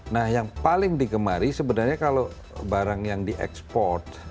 nah yang paling digemari sebenarnya kalau barang yang diekspor